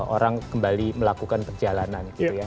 orang kembali melakukan perjalanan gitu ya